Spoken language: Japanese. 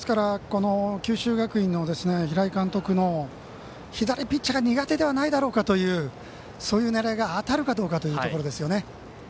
九州学院の平井監督の左ピッチャーが苦手ではないだろうかという狙いが当たるかどうかですよね。